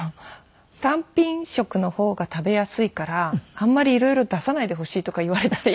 単品食の方が食べやすいからあんまり色々出さないでほしいとか言われたり。